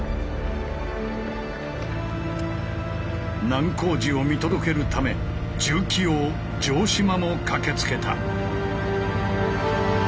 難工事を見届けるため重機王城島も駆けつけた。